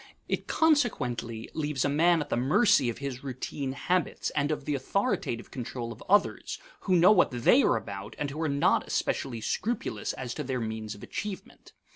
It consequently leaves a man at the mercy of his routine habits and of the authoritative control of others, who know what they are about and who are not especially scrupulous as to their means of achievement.